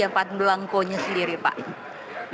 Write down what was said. bagaimana persiapan melangkonya sendiri pak